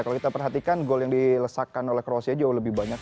kalau kita perhatikan gol yang dilesakan oleh kroasia jauh lebih banyak